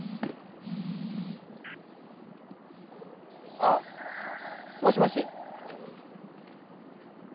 あっもしもし。